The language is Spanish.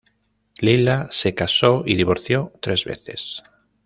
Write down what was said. Lila se casó y divorció tres veces.